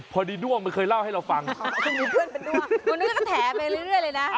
พอดีด้วงมันเคยเล่าให้เราฟังอ๋อจะมีเพื่อนเป็นด้วงวันนั้นก็แถไปเรื่อยเลยนะ